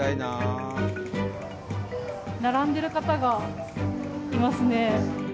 並んでる方がいますね。